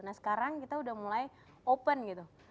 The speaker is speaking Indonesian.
nah sekarang kita udah mulai open gitu